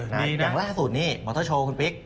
อย่างล่าสุดนี่มอเตอร์โชว์คุณปิ๊ก